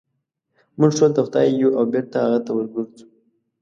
موږ ټول د خدای یو او بېرته هغه ته ورګرځو.